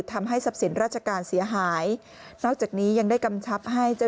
ทำให้ทรัพย์สินราชการเสียหายนอกจากนี้ยังได้กำชับให้เจ้า